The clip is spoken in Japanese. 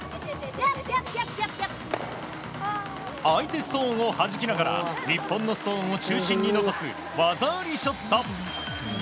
相手ストーンをはじきながら日本のストーンを中心に残す技ありショット。